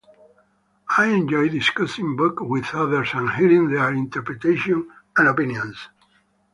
I enjoy discussing books with others and hearing their interpretations and opinions.